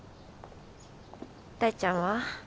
大ちゃんは？